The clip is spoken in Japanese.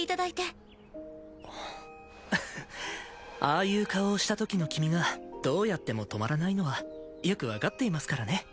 ああいう顔をしたときの君がどうやっても止まらないのはよく分かっていますからね。